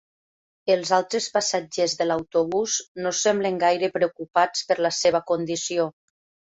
Els altres passatgers de l'autobús no semblen gaire preocupats per la seva condició.